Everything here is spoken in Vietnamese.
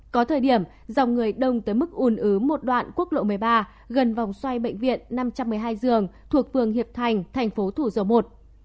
có thời điểm dòng người đông tới mức ùn ứ một đoạn quốc lộ một mươi ba gần vòng xoay bệnh viện năm trăm một mươi hai giường thuộc phường hiệp thành thành phố thủ dầu một